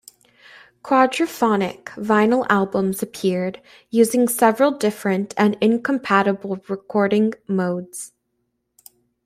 Quadraphonic vinyl albums appeared, using several different and incompatible recording modes.